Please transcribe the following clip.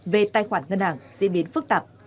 về tài khoản ngân hàng diễn biến phức tạp